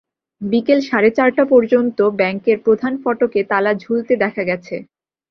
বিকেল সাড়ে চারটা পর্যন্ত ব্যাংকের প্রধান ফটকে তালা ঝুলতে দেখা গেছে।